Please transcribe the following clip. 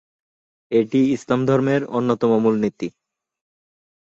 এটি ইসলাম ধর্মের অন্যতম মূলনীতি।